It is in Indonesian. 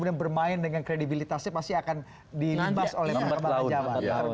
kemudian bermain dengan kredibilitasnya pasti akan diribas oleh pengembang jawa